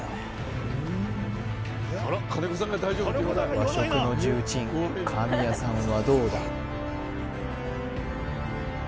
和食の重鎮神谷さんはどうだ？